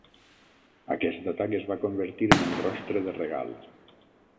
Aquest atac es va convertir en un rostre de regal.